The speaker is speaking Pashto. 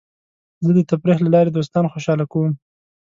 زه د تفریح له لارې دوستان خوشحاله کوم.